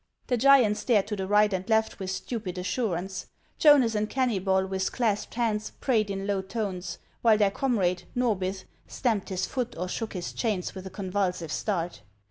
The giant stared to the right and left with stupid assurance ; Jonas and Kennybol, with clasped hands, prayed in low tones, while their comrade, Xorbith. stamped his foot or shook his chains with a con vulsive start.